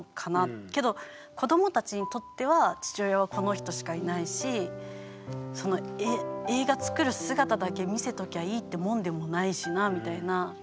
けど子どもたちにとっては父親はこの人しかいないし映画つくる姿だけ見せときゃいいってもんでもないしなみたいな。